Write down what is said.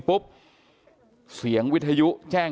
กลุ่มตัวเชียงใหม่